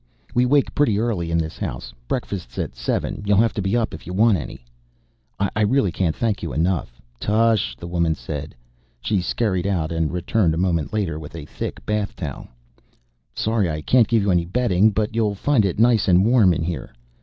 We wake pretty early in this house. Breakfast's at seven; you'll have to be up if you want any." "I really can't thank you enough " "Tush," the woman said. She scurried out, and returned a moment later with a thick bath towel. "Sorry I can't give you any bedding. But you'll find it nice and warm in here."